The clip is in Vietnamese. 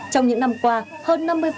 trong những năm qua hơn năm mươi